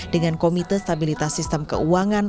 dengan komite stabilitas sistem keuangan